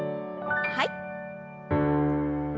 はい。